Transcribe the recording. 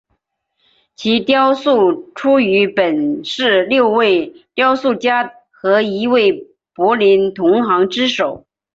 其雕塑出于本市六位雕塑家和一位柏林同行之手。